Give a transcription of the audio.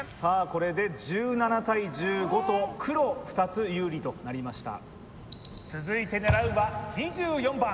これで１７対１５と黒２つ有利となりました